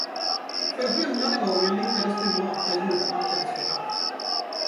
För hundrade gången lyckas du mata djurparkens giraff.